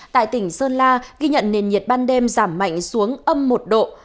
tại tỉnh sơn la ghi nhận nền nhiệt ban đêm giảm mạnh xuống âm một độ